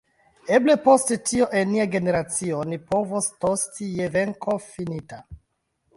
Eble post tio en nia generacio ni povos tosti je venko finita.